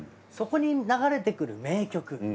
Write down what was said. そこに流れてくる名曲。